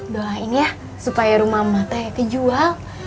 doain ya supaya rumah matanya kejual